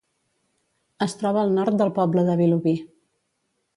Es troba al nord del poble de Vilobí.